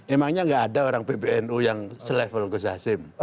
emangnya nggak ada orang pbnu yang se level gus hashim